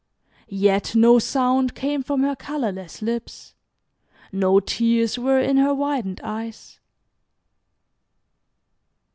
Yet no sound came from her colorless lips, no tears were in her widened eyes.